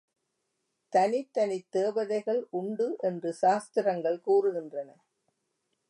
தனித்தனித் தேவதைகள் உண்டு என்று சாஸ்திரங்கள் கூறுகின்றன.